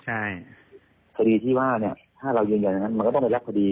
ถ้าเรายืนอย่างนั้นมันก็ต้องรับคดี